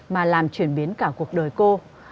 mà làm chuyển biến cả cuộc đời cô